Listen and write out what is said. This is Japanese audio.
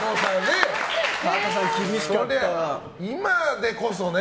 今でこそね！